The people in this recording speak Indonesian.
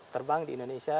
terbang di indonesia